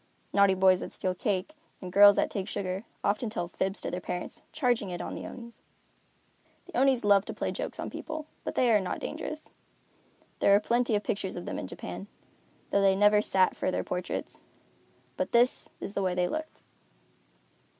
Naughty boys that steal cake, and girls that take sugar, often tell fibs to their parents, charging it on the Onis. The Onis love to play jokes on people, but they are not dangerous. There are plenty of pictures of them in Japan, though they never sat for their portraits, but this is the way they looked.